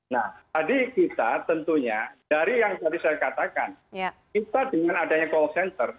nah tadi kita tentunya dari yang tadi saya katakan kita dengan adanya call center